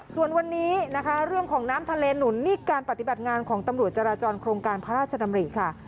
ส่วนวันนี้นะคะเรื่องของน้ำทะเลหนุนนี่การปฏิบัติงานของตำรวจจราจรโครงการพระราชดำริค่ะ